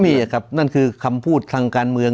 มีครับนั่นคือคำพูดทางการเมือง